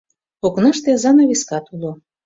Окнаште занавескат уло.